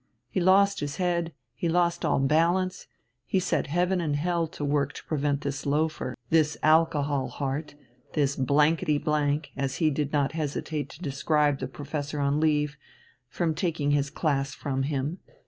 He lost his head, he lost all balance, he set heaven and hell to work to prevent this loafer, this alcohol heart, this blankety blank, as he did not hesitate to describe the professor on leave, from taking his class from him.